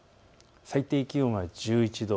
最低気温が１１度。